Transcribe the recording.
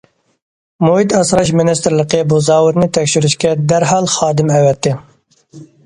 مۇھىت ئاسراش مىنىستىرلىقى بۇ زاۋۇتنى تەكشۈرۈشكە دەرھال خادىم ئەۋەتتى.